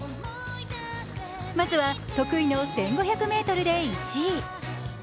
まずは得意の１５００ｍで１位。